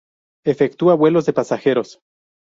Efectúa vuelos de pasajeros.